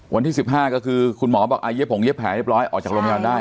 วันที่๑๕ก็คือคุณหมอบอกเย็บผงเย็บแผลเรียบร้อยออกจากโรงพยาบาลได้